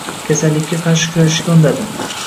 Kasallikka qarshi kurashishga undadi